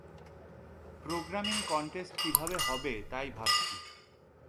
Programming contest কীভাবে হবে তাই ভাবছি।